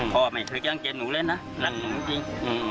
พ่อไม่เคยเกี้ยงเกณหนูเลยนะรักหนูจริง